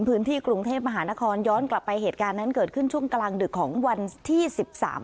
พื้นที่กรุงเทพมหานครย้อนกลับไปเหตุการณ์นั้นเกิดขึ้นช่วงกลางดึกของวันที่สิบสาม